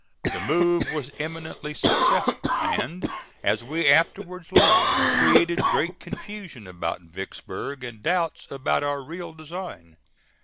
The move was eminently successful and, as we afterwards learned, created great confusion about Vicksburg and doubts about our real design.